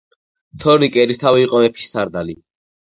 თორნიკე ერისთავი იყო მეფის სარდალი